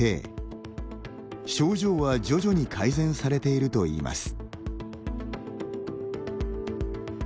症状は、徐々に改善されているといいます。